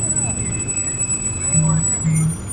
د توري پرهار به جوړ سي، د ژبي پرهار به جوړ نه سي.